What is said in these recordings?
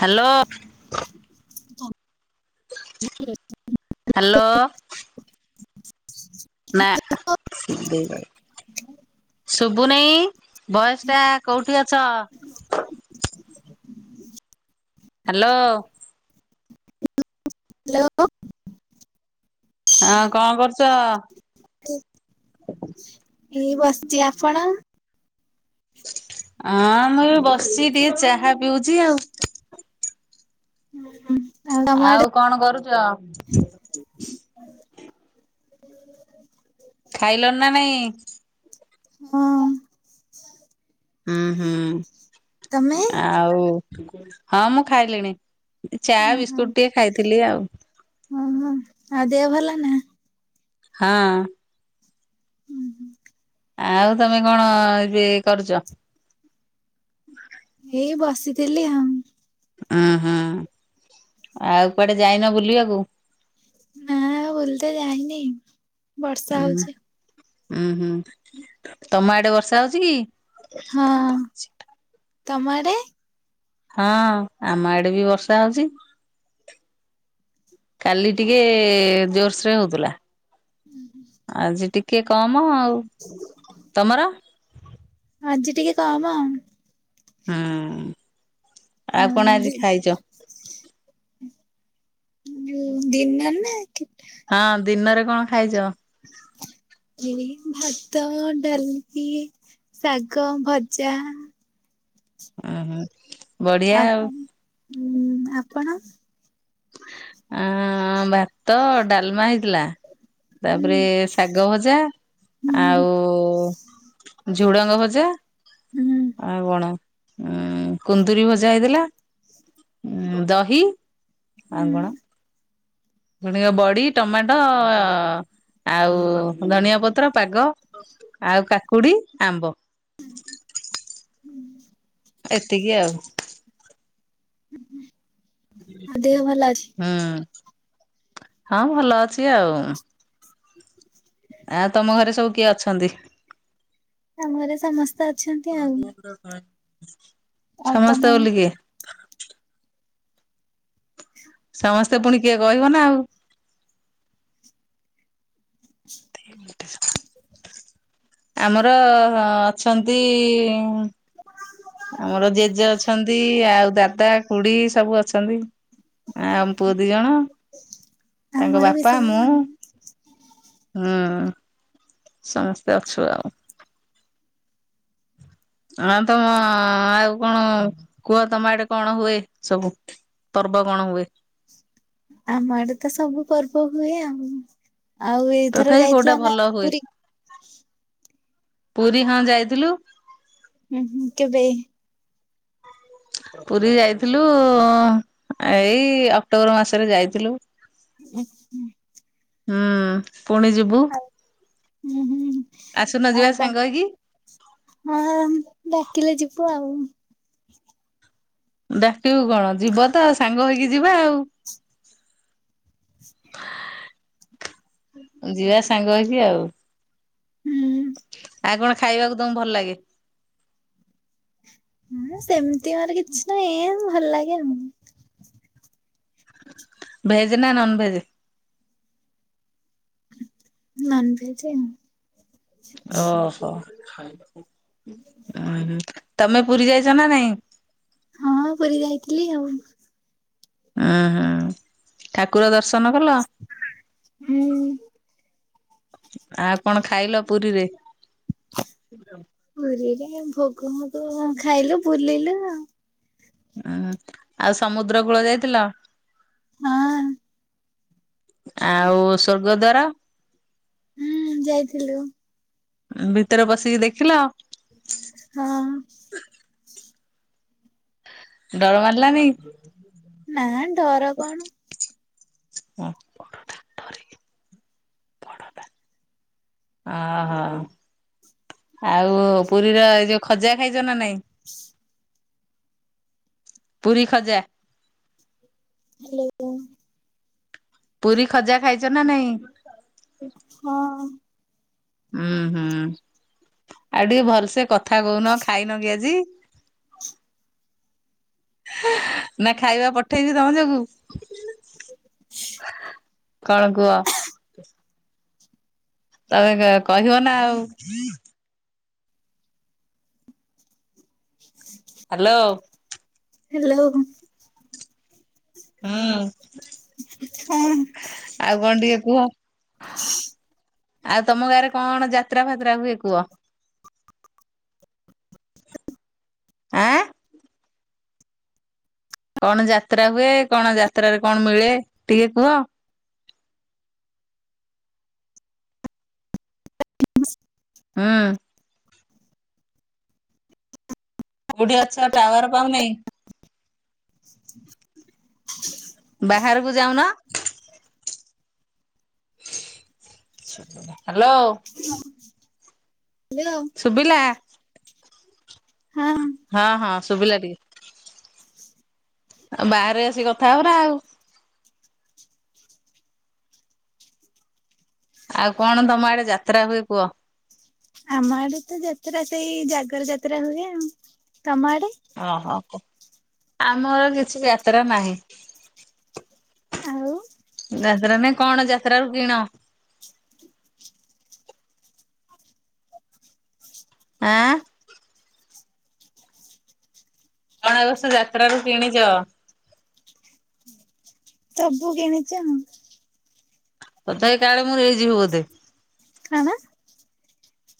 Hello. Hello. ନା। ଶୁଭୁନେଇ ବୟସ ଟା କୋଉଠି ଅଛ? ହ୍ୟାଲୋ। ହ୍ୟାଲୋ। ହଁ କଣ କରୁଛ? ଏଇ ବସିଛି, ଆପଣ? ଅଁ ମୁଁ ଏବେ ବସିଛି ଟିକେ ଚାହା ପିଉଛି ଆଉ। ଉଁ ହୁଁ। ଆଉ କଣ କରୁଛ? ହ [inaudible] ଖାଇଲନ ନା ନାଇଁ? ହଁ। ତମେ ଉଁହୁଁ ଆଉ ହଁ ମୁଁ ଖାଇଲିଣି। ଚା ଓହୋ ବିସ୍କୁଟ ଟିକେ ଖାଇଥିଲି ଆଉ। ଓହୋ ଆଉ ଦେହ ଭଲ ନା? ହଁ। ଉଁ ହୁଁ ଆଉ ତମେ କଣ ଏବେ କରୁଛ? ଏଇ ବସିଥିଲି ଆଉ। ଓ ହଁ ଆଉ କୁଆଡେ ଯାଇନ ବୁଲିବାକୁ? ନା ଆଉ ବୁଲିତେ ଯାଇନି ବର୍ଷା ଉଁ ହୋଉଛି। ଉଁ ହୁଁ ତମ ଆଡ଼େ ବର୍ଷା ହୋଉଛି କି? ହଁ ତମ ଆଡେ? ହଁ ଆମ ଆଡେ ବି ବର୍ଷା ହୋ। କାଲି ଟିକେ ଜୋର୍ସରେ ହୋଉଥିଲା। ହୁଁ ହୁ ଆଜି ଟିକେ କମ ଆଉ। [inaudible] ତମର? ଆଜି ଟିକେ କମ। ହଁ। ଆଉ କଣ ଆଜି ଖାଇଛ? ଯୋଉ ଦିନରେ ନା କେତେ ହଁ ଦିନରେ କଣ ଖାଇଛ? ଏଇ ଭାତ ଡାଲି ଶାଗ ଭଜା ଆହା। ଆପ୍ ହଁ ଆପଣ? ଅଁ ଭାତ ଡାଲମା ହେଇ ଥିଲା ହୁଁ ତାପରେ ଶାଗ ଭଜା ହୁଁ ଆଉ ଝୁଡଙ୍ଗ ଭଜା ହୁଁ ଆଉ କଣ ଉଁ କୁନ୍ଦୁରି ଭଜା ହେଇଥିଲା ଉ ଦହି ହୁଁ ଆଉ କଣ? ଣ ବଡି ଟମାଟୋ ଆଉ ଧନିଆ ପତ୍ର ପାଗ ଆଉ କାକୁଡ଼ି ଆମ୍ବ। ଏତିକି ଆଉ। ଆଉ ଦେହ ଭଲ ଅଛି? ହୁଁ ହଁ ଭଲ ଅଛି ଆଉ। ଆଉ ତମ ଘରେ ସବୁ କିଏ ଅଛନ୍ତି? ଆମ ଘରେ ସମସ୍ତେ ଅଛନ୍ତି ଆଉ। [unintelligible] ଆଉ ତମ ବୋଲି କିଏ ସମସ୍ତେ ପୁଣି କିଏ କହିବ ନା ଆଉ? [inaudible] ଆମର ଅଛନ୍ତି ଆମର ଜେଜେ ଅଛନ୍ତି ଆଉ ଦାଦା ଖୁଡି ସବୁ ଅଛନ୍ତି। ଆ ପୁଅ ଦି ଜଣ ତାଙ୍କ ଆମର ବି ବାପା ମୁଁ ସେଇଆ। ହୁଁ ସମସ୍ତେ ଅଛୁ ଆଉ। ହଁ ତମ ଆଉ କଣ କୁହ ତମ ଆଡେ କଣ ହୁଏ ସବୁ? ପର୍ବ କଣ ହୁଏ? ଆମ ଆଡେ ତ ସବୁ ପର୍ବ ହୁଏ ଆଉ। ଆଉ ଏଥର ତଥାପି କୋଉଟା ଯାଇଥିଲ ନା ଭଲ ହୁଏ ପୁରୀ? ପୁରୀ ହଁ ଯାଇଥିଲୁ। ଉ ହୁଁ କେବେ? ପୁରୀ ଯାଇଥିଲୁ ଏଇ ଅକ୍ଟୋବର ମାସରେ ଯାଇଥିଲୁ। ଉହୁଁ। ହୁଁ ପୁଣି ଯିବୁ। ଉଁ ହୁଁ। ଆସୁନ ଯିବା ଆଉ ତ ସାଙ୍ଗ ହେଇକି। ହଁ ଡାକିଲେ ଯିବୁ ଆଉ। ଡାକିବୁ କଣ ଯିବ ତ ସାଙ୍ଗ ହେଇକି ଯିବା ଆଉ। ଯିବା ସାଙ୍ଗ ହେଇକି ଆଉ। ହୁଁ ଆଉ କଣ ଖାଇବାକୁ ତମକୁ ଭଲ ଲାଗେ ଆ ହଁ ସେମିତି ମାନେ କିଛି ନାହିଁ। ଏମ ଭଲ ଲାଗେ ଆଉ। ଭେଜ ନା ନନଭେଜ? ନନଭେଜ ଉଁ। ଓହୋ ଉଁ ହୁଁ ତମେ ପୁରି ଯାଇଚ ନା ନାଇଁ? ହଁ ପୁରି ଯାଇଥିଲି ଆଉ। ଉଁ ହୁଁ ଠାକୁର ଦର୍ଶନ କଲ। ହୁଁ ଆଉ କଣ ଖାଇଲ ପୁରିରେ? ପୁରିରେ ଭୋଗ ମୋଗ କଣ ଖାଇଲୁ ବୁଲିଲୁ ଆଉ। ଆ-ଆଉ ସମୁଦ୍ର କୂଳ ଯାଇଥିଲ? ହଁଅ। ଆଉ ସ୍ଵର୍ଗ ଦ୍ୱାର। ହୁଁ ଯାଇଥିଲୁ। ଉଁ ଭିତରେ ପସିକି ଦେଖିଲ? ହଁ। ଡର ମାଡିଲା ନି? ନାଁ ଡର କଣ? ଓହୋ ଅ ହୋଉ। ଆଉ ପୁରିର ଏଇ ଯୋଉ ଖଜା ଖାଇଚ ନା ନାଇଁ? ? ପୁରି ଖଜା। ହାଲୋ। ପୁରି ଖଜା ଖାଇଛ ନା ନାଇଁ? ହଁ। ହୁଁ ହୁଁ ଆଉ ଟିକେ ଭଲସେ କଥା କୋହୁନ ଖାଇନ କି ଆଜି। ନା ଖାଇବା ପଠେଇବି ତମ ଯୋଗୁ। କଣ କୁହ। ତମେ [unintelligible] କହିବ ନା ଆଉ। ? ହାଲୋ। ହାଲୋ। ହୁଁ ଆଉ କଣ ହ୍ୟାଲୋ ଟିକେ କୁହ। ? ଆଉ ତମ ଗାଁରେ କଣ ଯାତ୍ରା ଫାତ୍ରା ହୁଏ କୁଅ? ଆଁ। କଣ ଯାତ୍ରା ହୁଏ। କଣ ଯାତ୍ରାରେ କଣ ମିଳେ ଟିକେ କୁହ? ହୁଁ। କୋଉଠି ଅଛ ଟାୱାର ପାଉନାଇଁ? ? ବାହାରକୁ ଯାଉନ। ହାଲୋ। ହଁ ହାଲୋ। ସୁୁବିଲା? ହଁ। ହଁ ହଁ ଶୁଭିଲା ଟିକେ ବାହାରେ ଆସିକି କଥା ହବା ନା ଆଉ ଆଉ କଣ ତମ ଆଡେ ଯାତ୍ରା ହୁଏ କୁହ? ଆମ ଆଡେ ତ ଯାତ୍ରା ସେଇ ଜାଗର ଯାତ୍ରା ହୁଏ, ତମ ଆଡେ ଓହୋ କୁହ, ଆମର କିଛି ଯାତ୍ରା ନାହିଁ। ଆଉ ଯାତ୍ରା ନାଇ, କଣ ଯାତ୍ରା ରୁ କିଣ? ଆଁ କଣ ଏ ବର୍ଷ ଯାତ୍ରାରୁ କିଣିଛ? ସବୁ କିଣିଛ ଆଉ ତଥା କାଳେ ମୋର ହେଇଯିବ ବୋଧେ କଣ?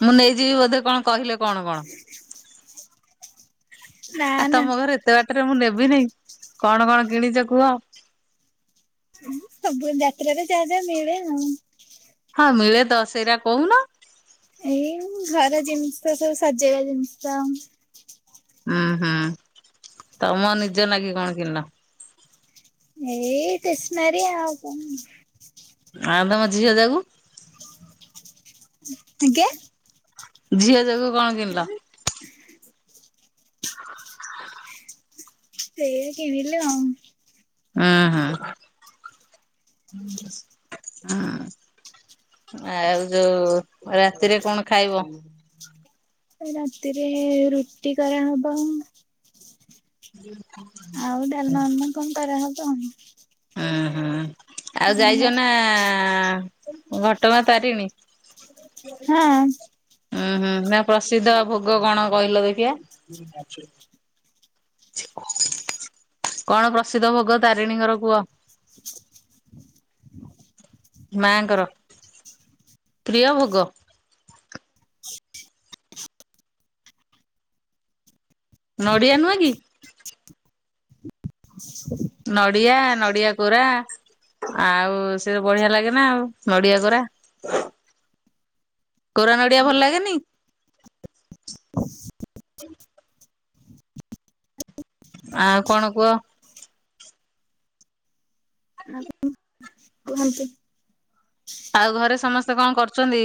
ମୁଁ ନେଇଯିବି ବୋଧେ କଣ କହିଲେ କଣ କଣ ନା ଆ ନା ତମ ଘରେ ଏତେ ବାଟରେ ମୁଁ ନେବିିନି କଣ କଣ କିଣିଛ କୁହ? ସବୁ ଏ ଯାତ୍ରାରେ ଯାହା ଯାହା ମିଳେ ଆଉ ହଁ ମିଳେ ତ ସେଇଟା କହୁନ ଏଇ ଘର ଜିନିଷ ସବୁ ସଜେଇବା ଜିନିଷ ହଁ ହଁ ତମ ନିଜ ଲାଗି କଣ କିଣିଲ? ଏଇ ଟେସ୍ନାରି ଆଉ କଣ ଆଁ ତମ ଝିଅ ଯାକୁ ଆଜ୍ଞା। ଝିଅ ଯୋଗୁ କଣ କିଣିଲ? ଏଇ କିଣିଲି ଆଉ ହଁ ହଁ। ହୁଁ ଆଉ ଯୋଉ ରାତିରେ କଣ ଖାଇବ? ରାତିରେ ରୁଟି କରା ହବ ଆଉ ହୁଁ ଡାଲମା [inaudible] ଫାଲମା କଣ କରାହବ ଆଉ ହୁଁ ହୁଁ ଆଉ ଯାଇଛ ନା ଘଟଗାଁ ତାରିଣୀ? ହଁ ଓଁ ହୁଁ ତାଙ୍କ ପ୍ରସିଦ୍ଧ ଭୋଗ କଣ କହିଲ ଦେଖିଆ କଣ ପ୍ରସିଦ୍ଧ ଭୋଗ ତାରିଣୀଙ୍କର କୁହ? ମାଙ୍କର ପ୍ରିୟ ଭୋଗ ନଡ଼ିଆ ନୁହେଁ କି? [inaudible] ନଡ଼ିଆ ନଡିଆ କୋରା ଆଉ ସେ ବଢିଆ ଲାଗେ ନା ଆଉ ନଡିଆ କୋରା କୋରା ନଡିଆ ଭଲ ଲାଗେନି? [inaudible] ଆଉ କଣ କୁହ? ଆ [unintelligible] କୁହନ୍ତୁ ଆଉ ଘରେ ସମସ୍ତେ କଣ କରୁଛନ୍ତି?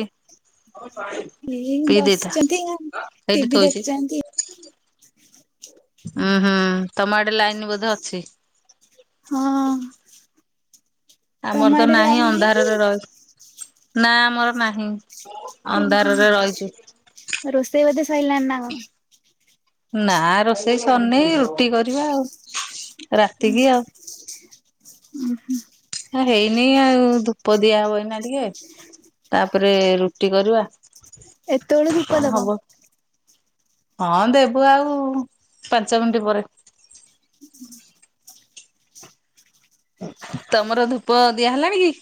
ଏଇ ପିଇ ଦେଇଥା ବସିଛନ୍ତି ଆଉ ସେଇଠି ଟିଭି ଥୋଈଦେ ଦେଖୁଛନ୍ତି ହୁଁ ହୁଁ ତମ ଆଡେ ଲାଇନ ବୋଧେ ଅଛି ହଁ। ତମ ଆମର ତ ଆଡେ ନାହିଁ ଲାଇନ କି? ଅନ୍ଧାରରେ ରହିଛୁ ନା ଆମର ନାହିଁ ହୁଁ ଅନ୍ଧାରରେ ରହିଛୁ। ହୁଁ ରୋଷେଇ ବୋଧେ ସଇଲାଣି ନା କଣ ନା ରୋଷେଇ ସରିନେଇ ରୁଟି କରିବା ଆଉ ରାତିକି ହୁଁ ଆଉ। ହୁଁ ହୁଁ ହୁଁ ହେଇନି ଆଉ ଧୂପ ଦିଆହବ ଏଇନା ଟିକେ ତାପରେ ରୁଟି କରିବା ଏତେବେଳୁ ଧୂପ କଣ ଦବ? ହବ? ହଁ ଦେବୁ ଆଉ ପାଞ୍ଚ ମିନିଟ ପରେ [inaudible] ତମର ଧୂପ ଦିଆହେଲାଣି?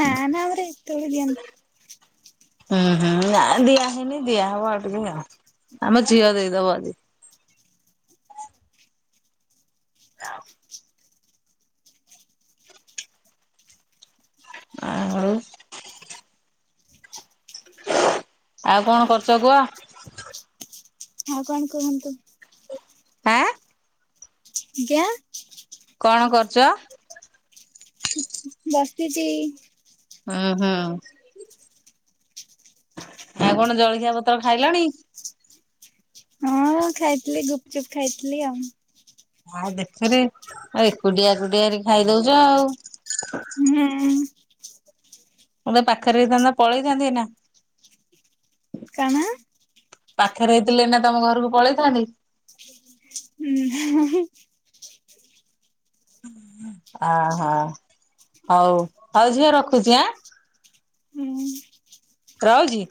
ନା ନା ଆମର ଏତୋଉଳୁ ଦିଆହୁଏନି। ହୁଁ ହୁଁ ଦିଆ ହେଇନି ଦିଆ ହବ ଆଉ ଟିକେ ଆମ ଝିଅ ଦେଇଦବ ଆଜି। ଆଓ। ଆଉ ଆଉ କଣ କରୁଛ କୁହ? [unintelligible] କଣ କୁହନ୍ତୁ? ଆଁ ଆଜ୍ଞା। କଣ କରୁଛ? ବସିଛି। ଓହୋ। ଆଉ କଣ ଜଳଖିଆ ପତ୍ର ଖାଇଲଣି? ହଁ ଖାଇଥିଲି ଗୁପଚୁପ୍ ଖାଇଥିଲି ଆଉ। ଆ ଦେଖରେ ଆଉ ଏକୁଟିଆ ଏକୁଟିଆ ଖାଇ ଦୋଉଚ ଆଉ। ହୁଁ। ମୁଁ ତ ପାଖରେ ହେଇଥାନ୍ତା ପଳେଇଥାନ୍ତି ଏଇନା। କଣ? ପାଖରେ ହେଇଥିଲେ ଏଇନା ତମ ଘରକୁ ପଳେଇଥାନ୍ତି। ହୁଁ। ଅ ହୋ। ହଉ ହଉ ଝିଅ ରଖୁଚି ଆଁ ହୁଁ ରହୁଚି।